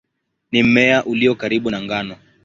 Ni mmea ulio karibu na ngano.